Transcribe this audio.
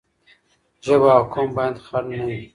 ژبه او قوم باید خنډ نه وي.